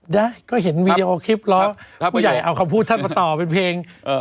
ได้ก็เห็นวีดีโอคลิปล้อผู้ใหญ่เอาคำพูดท่านมาต่อเป็นเพลงเอ่อ